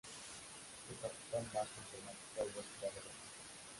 Su capital más emblemática es la ciudad de Los Ángeles.